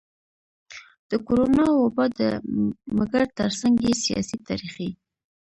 د کرونا وبا ده مګر ترڅنګ يې سياسي, تاريخي,